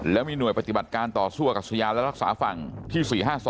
แล้วมีหน่วยปฏิบัติการต่อสู้กับสยาและรักษาฝั่งที่๔๕๒